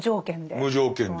無条件で。